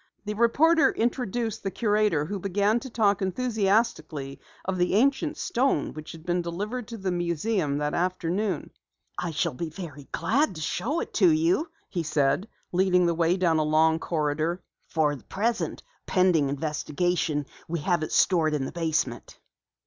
The reporter introduced the curator, who began to talk enthusiastically of the ancient stone which had been delivered to the museum that afternoon. "I shall be very glad to show it to you," he said, leading the way down a long corridor. "For the present, pending investigation, we have it stored in the basement."